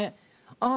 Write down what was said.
ああ。